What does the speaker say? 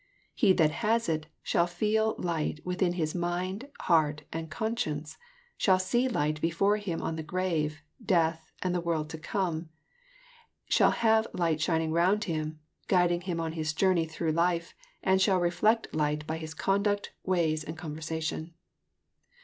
He that has it shall feel light within his mind, heart, and conscience,— shall see light before him on the grave, death, and the world to come, — shall have light shining round him, guiding him in his journey through life, and shall reflect light by his conduct, ways and conversation.